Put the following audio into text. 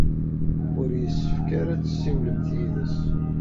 Ur yessefk ara ad tessiwlemt yid-s.